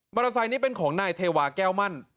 เตอร์ไซค์นี้เป็นของนายเทวาแก้วมั่น